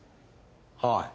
はい。